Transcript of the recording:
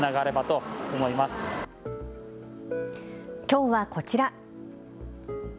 きょうは、こちら。